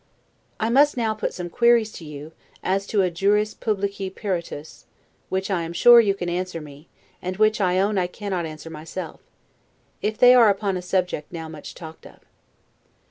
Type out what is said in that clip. I must now put some queries to you, as to a 'juris publici peritus', which I am sure you can answer me, and which I own I cannot answer myself; they are upon a subject now much talked of.